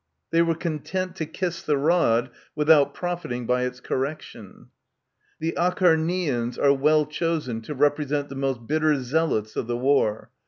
They were content to kiss the rod, without profiting by its correction. The Acharnians are well chosen to represent the most bitter zealots of the war.